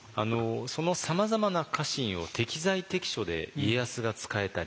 そのさまざまな家臣を適材適所で家康が使えた理由